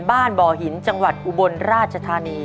บ่อหินจังหวัดอุบลราชธานี